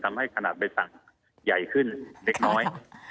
ทำให้ขนาดใบสั่งใหญ่ขึ้นเล็กน้อย